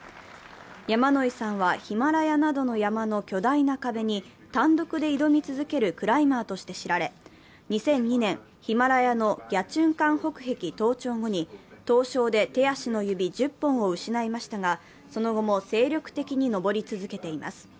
山野井さんはヒマラヤなどの山の巨大な壁に単独で挑み続けるクライマーとして知られ、２００２年、ヒマラヤのギャチュンカン北壁登頂後に凍傷で手足の指１０本を失いましたがその後も精力的に登り続けています。